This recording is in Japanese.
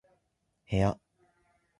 部屋